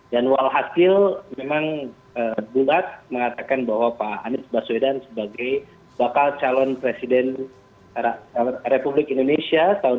dan walhasil memang bulat mengatakan bahwa pak anis baswedan sebagai bakal calon presiden republik indonesia tahun dua ribu dua puluh empat dua ribu dua puluh sembilan